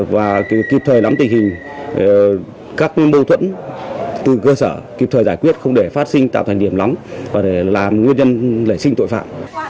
và kịp thời lắm tình hình các mô thuẫn từ cơ sở kịp thời giải quyết không để phát sinh tạo thành điểm lắm và để làm nguyên nhân lệ sinh tội phạm